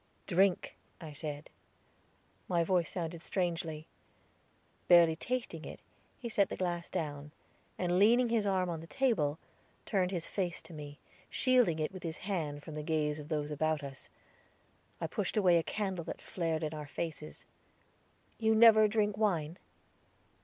"Drink," I said. My voice sounded strangely. Barely tasting it, he set the glass down, and leaning his arm on the table, turned his face to me, shielding it with his hand from the gaze of those about us. I pushed away a candle that flared in our faces. "You never drink wine?"